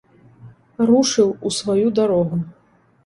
Рушыў у сваю дарогу.